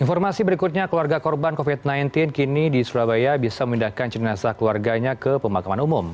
informasi berikutnya keluarga korban covid sembilan belas kini di surabaya bisa memindahkan jenazah keluarganya ke pemakaman umum